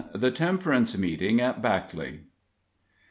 THE TEMPERANCE MEETING AT BACKLEY.